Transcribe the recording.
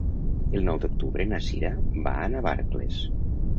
El nou d'octubre na Cira va a Navarcles.